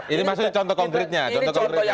ini maksudnya contoh konkretnya